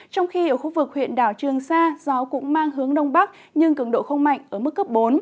trong khi ở khu vực huyện đảo trường sa gió cũng mang hướng đông bắc nhưng cường độ không mạnh ở mức cấp bốn